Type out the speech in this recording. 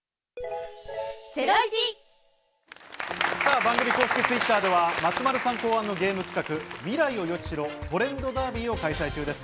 番組公式Ｔｗｉｔｔｅｒでは松丸さん考案のゲーム企画「未来を予知しろ！トレンドダービー」を開催中です。